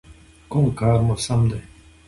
_کوم کار مو سم دی؟